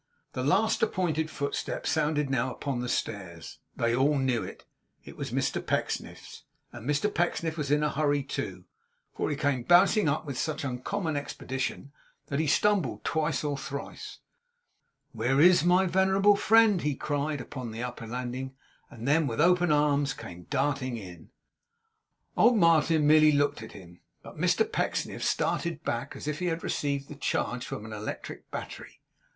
The last appointed footstep sounded now upon the stairs. They all knew it. It was Mr Pecksniff's; and Mr Pecksniff was in a hurry too, for he came bounding up with such uncommon expedition that he stumbled twice or thrice. 'Where is my venerable friend?' he cried upon the upper landing; and then with open arms came darting in. Old Martin merely looked at him; but Mr Pecksniff started back as if he had received the charge from an electric battery.